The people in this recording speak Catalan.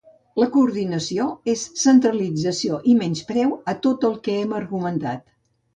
La “coordinació” és centralització i menyspreu a tot el que hem argumentat.